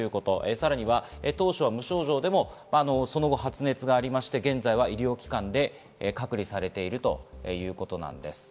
さらに当初は無症状でもその後、発熱があって、現在は医療機関で隔離されているということです。